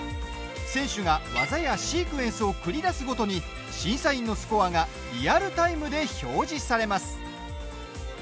選手が技やシークエンスを繰り出すごとに審査員のスコアがリアルタイムで表示されます。